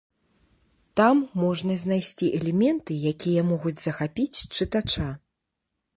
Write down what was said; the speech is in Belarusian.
Там можна знайсці элементы, якія могуць захапіць чытача.